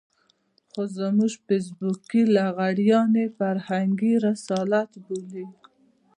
خو زموږ فېسبوکي لغړيان يې فرهنګي رسالت بولي.